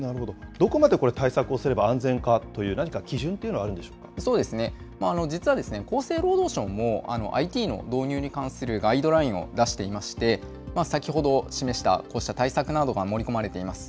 どこまでこれ、対策をすれば安全かという、何か基実は厚生労働省も、ＩＴの導入に関するガイドラインを出していまして、先ほど示したこうした対策などが盛り込まれています。